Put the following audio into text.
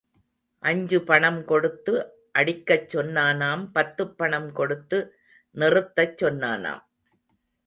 அஞ்சு பணம் கொடுத்து அடிக்கச் சொன்னானாம் பத்துப் பணம் கொடுத்து நிறுத்தச் சொன்னானாம்.